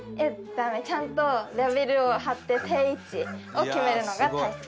ちゃんとラベルを貼って定位置を決めるのが大切なんです。